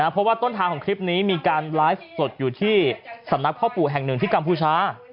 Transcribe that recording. เพราะว่าต้นทางของคลิปนี้มีการไลฟ์สดอยู่ที่สำนักพ่อปู่แห่งหนึ่งที่กัมพูชา